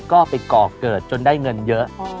ก็ไปก่อเกิดจนได้เงินเยอะ